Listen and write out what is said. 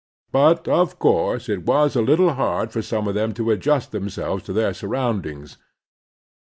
But of course it was a little hard for some of them to adjust themselves to their surrotmd ings.